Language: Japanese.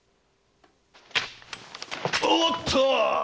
おっと！